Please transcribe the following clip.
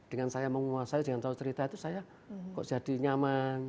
dengan saya menguasai dengan tahu cerita itu saya kok jadi nyaman